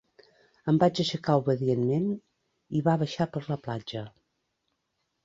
Em vaig aixecar obedientment i va baixar per la platja.